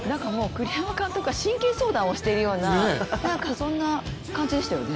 栗山監督が真剣相談をしているようなそんな感じでしたよね。